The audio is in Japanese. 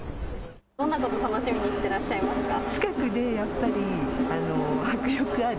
どんなことを楽しみにしてらっしゃいますか。